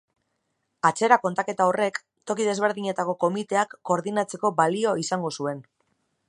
Atzera kontaketa horrek, toki desberdinetako komiteak koordinatzeko balio izango zuen.